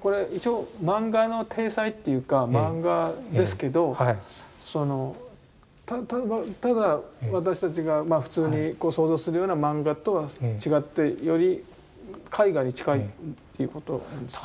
これ一応マンガの体裁っていうかマンガですけどただ私たちが普通に想像するようなマンガとは違ってより絵画に近いっていうことなんですか？